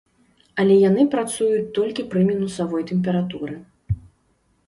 Але яны працуюць толькі пры мінусавой тэмпературы.